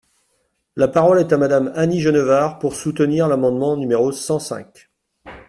La parole est à Madame Annie Genevard, pour soutenir l’amendement numéro cent cinq.